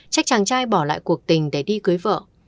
chắc chàng trai bỏ lại cuộc tình để đi cưới vợ